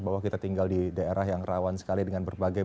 bahwa kita tinggal di daerah yang rawan sekali dengan berbagai